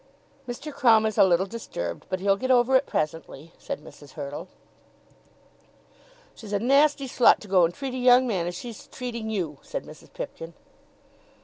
"Mr. Crumb is a little disturbed, but he'll get over it presently," said Mrs. Hurtle. "She's a nasty slut to go and treat a young man as she's treating you," said Mrs. Pipkin.